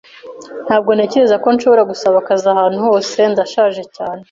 Ntabwo ntekereza ko nshobora gusaba akazi ahantu hose. Ndashaje cyane.